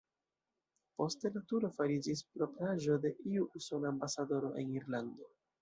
Poste la turo fariĝis propraĵo de iu usona ambasadoro en Irlando.